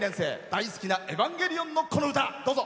大好きな「エヴァンゲリオン」のこの歌。